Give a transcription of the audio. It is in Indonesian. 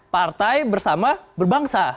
partai bersama berbangsa